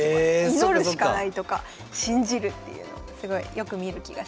「祈るしかない」とか「信じる」っていうのをすごいよく見る気がしますね。